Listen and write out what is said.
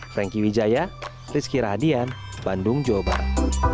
franky wijaya rizky radian bandung jawa barat